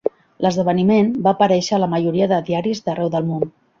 L'esdeveniment va aparèixer a la majoria de diaris d'arreu del món.